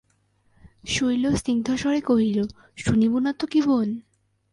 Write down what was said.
শৈল স্নিগ্ধস্বরে কহিল, শুনিব না তো কি বোন?